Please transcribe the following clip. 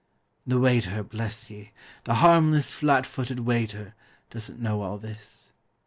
The waiter, bless ye! the harmless, flat footed waiter, doesn't know all this.